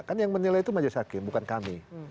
kan yang menilai itu maju sakin bukan kami